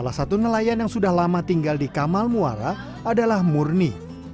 salah satu nelayan yang sudah lama tinggal di kamal muara adalah murni